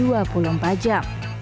nah begitu datang ini orang